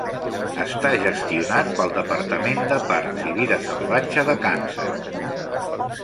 Està gestionat pel Departament de Parcs i Vida Salvatge de Kansas.